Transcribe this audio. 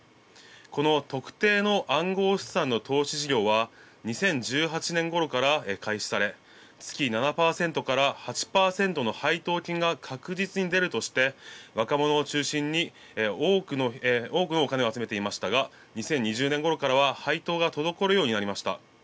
この特定の暗号資産の投資事業は２０１８年ごろから開始され月７％から８％の配当金が確実に出るとして、若者を中心に多くの金を集めていましたが２０２０年ごろからは配当が滞るようになりました。